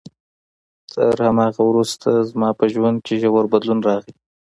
تر همغې ورځې وروسته زما په ژوند کې ژور بدلون راغی.